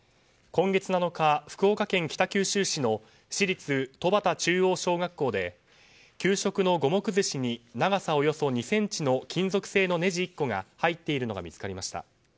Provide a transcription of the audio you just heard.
今月７日、福岡県北九州市の市立戸畑中央小学校で給食の五目ずしに長さおよそ２ｃｍの金属製のネジ１個が入っているのが見つかりました。